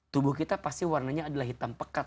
tubuh kita pasti warnanya adalah hitam pekat